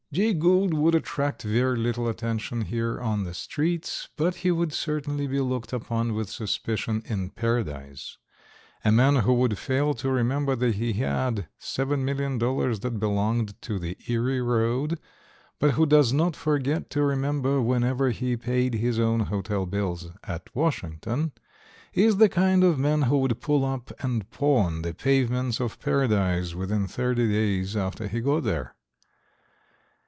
Jay Gould would attract very little attention here on the streets, but he would certainly be looked upon with suspicion in Paradise. A man who would fail to remember that he had $7,000,000 that belonged to the Erie road, but who does not forget to remember whenever he paid his own hotel bills at Washington, is the kind of man who would pull up and pawn the pavements of Paradise within thirty days after he got there.